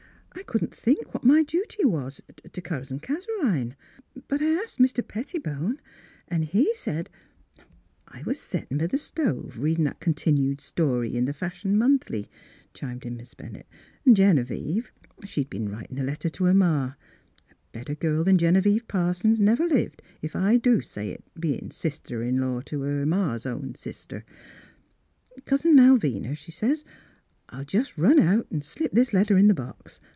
I couldn't think what my duty was to — to Cousin Caroline. But I asked Mr. Pettibone, and he said —"" I was settin' b' the stove readin' that continued story in the Fashion Monthly," chimed in Miss Bennett, " An' Genevieve, she'd been writin' a letter to her ma. — A better girl than Genevieve Parsons never lived if I do say it, bein' sister in law to her ma's own sister. "' Cousin Malvina,' she says, ' I'll just run out an' slip this letter in the box.